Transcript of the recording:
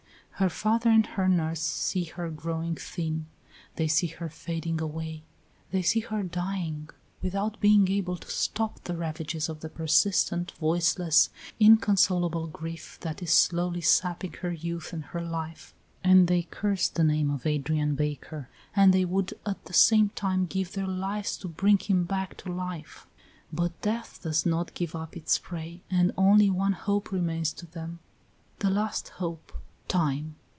Her father and her nurse see her growing thin, they see her fading away, they see her dying, without being able to stop the ravages of the persistent, voiceless, inconsolable grief that is slowly sapping her youth and her life, and they curse the name of Adrian Baker, and they would at the same time give their lives to bring him back to life; but death does not give up its prey, and only one hope remains to them, the last hope time.